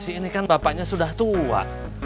ini kan bapaknya sudah tua